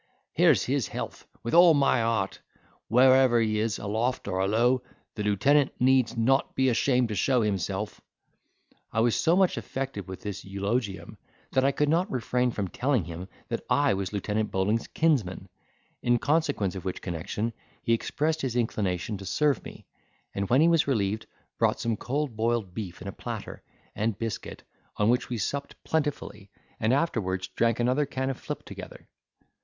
Here's his health, with all my heart: wherever he is, a loft, or a low, the lieutenant needs not be ashamed to show himself." I was so much affected with this eulogium, that I could not refrain from telling him that I was Lieutenant Bowling's kinsman; in consequence of which connection, he expressed his inclination to serve me, and when he was relieved, brought some cold boiled beef in a platter, and biscuit, on which we supped plentifully, and afterwards drank another can of flip together.